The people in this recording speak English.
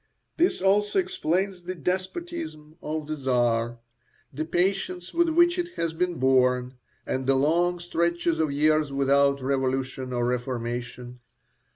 This also explains the despotism of the Czar, the patience with which it has been borne, and the long stretches of years without revolution or reformation.